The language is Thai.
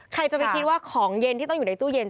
ใครจะไปคิดว่าของเย็นที่ต้องอยู่ในตู้เย็น